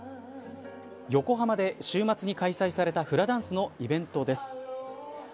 横浜で週末に開催されたフラダンスのイベントです。